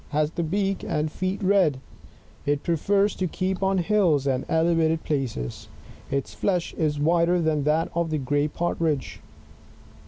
— has the beak and feet red ; it prefers to keep on hUls and elevated places ; its flesh IS whiter than that of the gray Partridge.